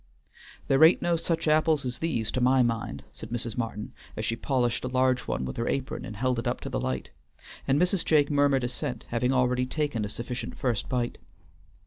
"There ain't no such apples as these, to my mind," said Mrs. Martin, as she polished a large one with her apron and held it up to the light, and Mrs. Jake murmured assent, having already taken a sufficient first bite.